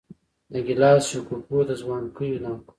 د ګیلاسي شګوفو د ځوانکیو ناکو